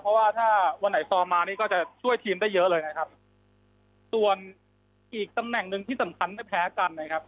เพราะว่าถ้าวันไหนฟอร์มมานี่ก็จะช่วยทีมได้เยอะเลยนะครับส่วนอีกตำแหน่งหนึ่งที่สำคัญไม่แพ้กันนะครับ